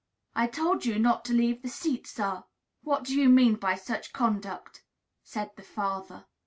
"I told you not to leave the seat, sir. What do you mean by such conduct?" said the father.